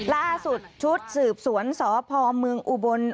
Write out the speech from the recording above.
ล่าสุดชุดสืบสวนสพเมืองอุบล